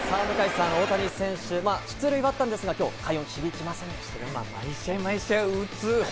さぁ向井さん、大谷選手、出塁はあったんですが今日は快音が響きませんでしたが。